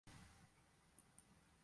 Esta operación no es conmutativa.